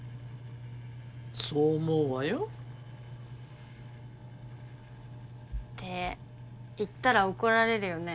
そう思うわよ。って言ったら怒られるよね。